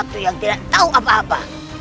ada yang tidak tahu apa apa